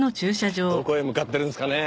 どこへ向かってるんですかね？